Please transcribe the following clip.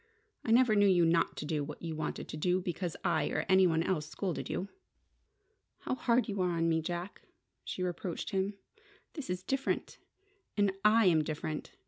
"I never knew you not to do what you wanted to do because I or any one else scolded you!" "How hard you are to me, Jack!" she reproached him. "This is different. And I am different.